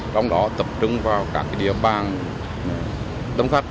trong đó tập trung vào các địa bàn đông khách